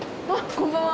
こんばんは。